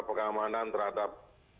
tentang cara keamanan terhadap